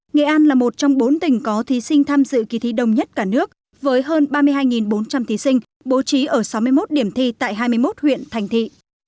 nghệ an là một trong bốn tỉnh có thí sinh tham dự kỳ thi đông nhất cả nước với hơn ba mươi hai bốn trăm linh thí sinh bố trí ở sáu mươi một điểm thi tại hai mươi một huyện thành thị